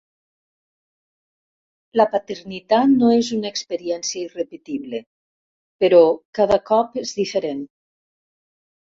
La paternitat no és una experiència irrepetible, però cada cop és diferent.